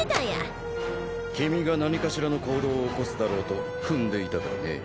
君が何かしらの行動を起こすだろうと踏んでいたからね。